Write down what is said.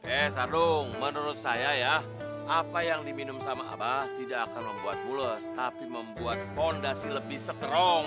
eh sarung menurut saya ya apa yang diminum sama abah tidak akan membuat bules tapi membuat fondasi lebih seterong